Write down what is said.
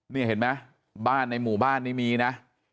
นี่เห็นไหมบ้านในหมู่บ้านนี้มีนะ